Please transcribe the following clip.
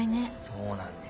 そうなんですよ。